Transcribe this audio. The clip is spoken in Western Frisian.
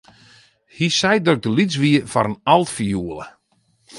Hy sei dat ik te lyts wie foar in altfioele.